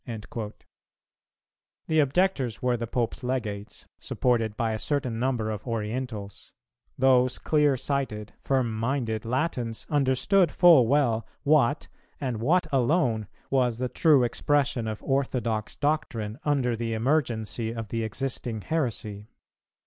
"[310:1] The objectors were the Pope's Legates, supported by a certain number of Orientals: those clear sighted, firm minded Latins understood full well what and what alone was the true expression of orthodox doctrine under the emergency of the existing heresy.